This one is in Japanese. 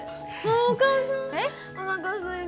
あお母さんおなかすいた。